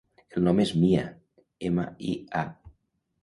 El nom és Mia: ema, i, a.